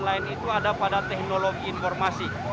lain itu ada pada teknologi informasi